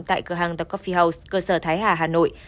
tại cửa hàng the cophi house cơ sở thái hà hà nội